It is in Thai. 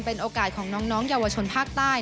เป็นโอกาสของน้องเยาวชนภาคใต้